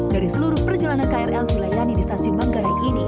dari seluruh perjalanan krl dilayani di stasiun manggarai ini